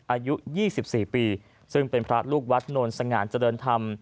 อายุ๒๔ปีซึ่งเป็นพระลูกวัดโนนสง่านเจริญธรรม